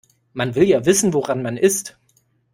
Man will ja wissen woran man ist.